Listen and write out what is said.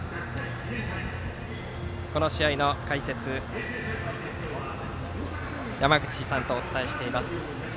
この試合は解説山口さんとお伝えしています。